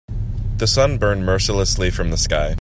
The sun burned mercilessly from the sky.